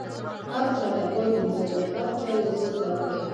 هر چا ته غوږ ونیسئ او له هر چا یو څه زده کړئ.